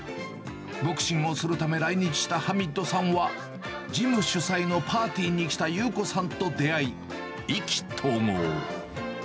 ボクシングをするため来日したハミッドさんは、ジム主催のパーティーに来た裕子さんと出会い、意気投合。